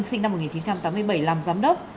sinh năm một nghìn chín trăm tám mươi bảy làm giám đốc